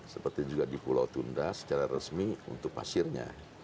seperti juga di pulau tunda secara resmi untuk pasirnya